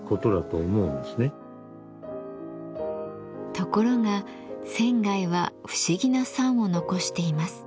ところが仙は不思議な賛を残しています。